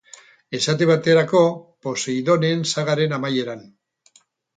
Esate baterako, Poseidonen sagaren amaieran.